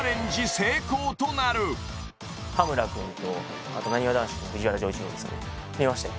成功となる羽村くんとあとなにわ男子の藤原丈一郎ですよね見ましたよ